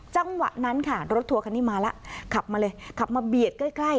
จังหวะนั้นค่ะรถทัวร์คันนี้มาแล้วขับมาเลยขับมาเบียดใกล้ใกล้